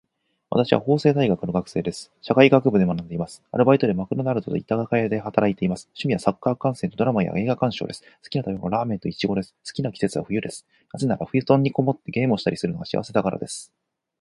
私は法政大学の学生です。社会学部で学んでいます。アルバイトはマクドナルドと居酒屋で働いています。趣味はサッカー観戦とドラマや映画鑑賞です。好きな食べ物はラーメンといちごです。好きな季節は冬です。なぜなら、布団にこもってゲームをしたりするのが幸せだからです。